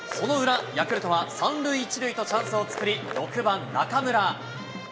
その裏、ヤクルトは３塁１塁とチャンスを作り、６番中村。